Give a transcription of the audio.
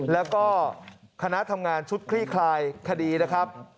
แล้วก็คณะทำงานชุดคลี่คลายคดีนะครับ